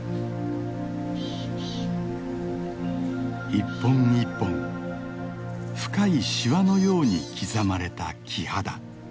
１本１本深いしわのように刻まれた木肌。